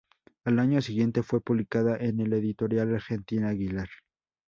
Al año siguiente fue publicada en la editorial argentina Aguilar.